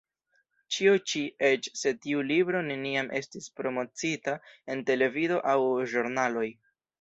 Ĉio ĉi, eĉ se tiu libro neniam estis promociita en televido aŭ ĵurnaloj.